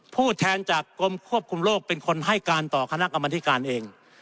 ผู้แทนจากกรมควบคุมโลกเป็นคนให้การต่อคณะกรรมธิการเอง